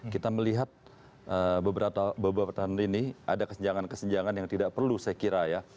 kita melihat beberapa tahun ini ada kesenjangan kesenjangan yang tidak perlu saya kira ya